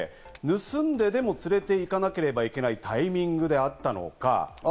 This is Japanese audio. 盗んででも連れていかなければいけないタイミングであったのか。